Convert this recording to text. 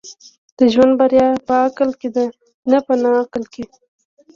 د ژوند بريا په عقل کي ده، نه په نقل کي.